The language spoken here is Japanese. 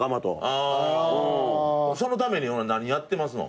そのために何やってますの？